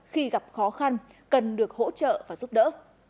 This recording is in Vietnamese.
khi gặp khó khăn cần được hỗ trợ và giúp đỡ